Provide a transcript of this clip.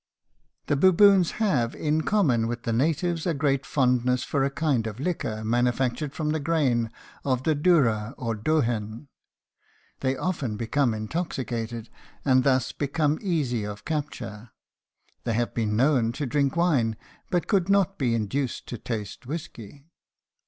The baboons have, in common with the natives, a great fondness for a kind of liquor manufactured from the grain of the durra or dohen. They often become intoxicated and thus become easy of capture. They have been known to drink wine, but could not be induced to taste whisky.